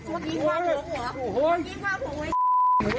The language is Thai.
โอ้โฮโอ้โฮ